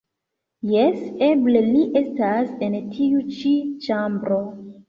Jes, eble li estas en tiu ĉi ĉambro